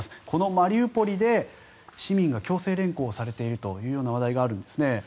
このマリウポリで市民が強制連行されているという話題があるんです。